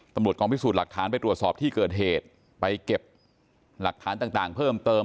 ตำรวจกองพิสูจน์หลักฐานไปตรวจสอบที่เกิดเหตุไปเก็บหลักฐานต่างเพิ่มเติม